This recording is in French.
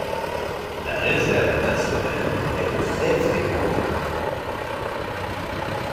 La réserve naturelle est très fréquentée.